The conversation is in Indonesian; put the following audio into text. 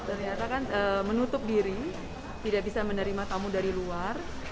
ternyata kan menutup diri tidak bisa menerima tamu dari luar